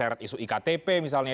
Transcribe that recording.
atau iktp misalnya